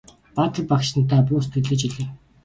Баатар багштан та бүү сэтгэлээ чилээ!